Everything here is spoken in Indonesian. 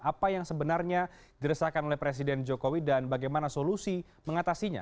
apa yang sebenarnya diresahkan oleh presiden jokowi dan bagaimana solusi mengatasinya